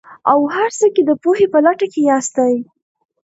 او هر څه کې د پوهې په لټه کې ياستئ.